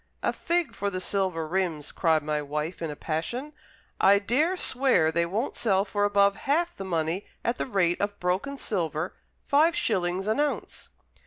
"A fig for the silver rims!" cried my wife, in a passion. "I dare swear they won't sell for above half the money at the rate of broken silver, five shillings an ounce."